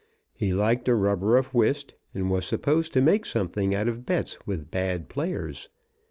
He liked a rubber of whist, and was supposed to make something out of bets with bad players.